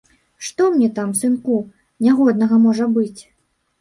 Што мне там, сынку, нягоднага можа быць?